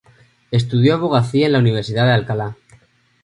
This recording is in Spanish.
Estudio abogacía en la Universidad de Alcalá.